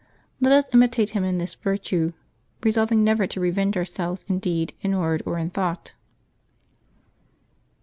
Let us imitate him in this virtue^, resolving never to revenge ourselves in deed, in word, or in thought.